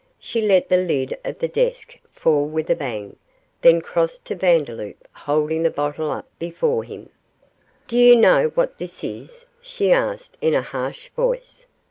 She let the lid of the desk fall with a bang, then crossed to Vandeloup, holding the bottle up before him. 'Do you know what this is?' she asked, in a harsh voice.